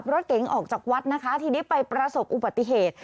รถเก๋งออกจากวัดนะคะทีนี้ไปประสบอุบัติเหตุ